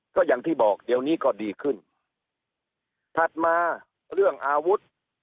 ก็อย่างที่บอกเดี๋ยวนี้ก็ดีขึ้นถัดมาเรื่องอาวุธ